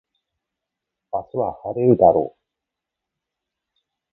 明日は晴れるだろう